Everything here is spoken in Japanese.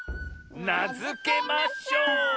「なづけましょう」！